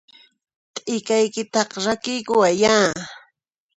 T'ikaykitaqa rakiykuwayyá!